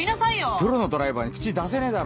プロのドライバーに口出せねえだろ！